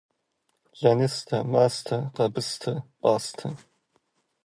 Лэныстэ, мастэ, къэбыстэ, пӏастэ.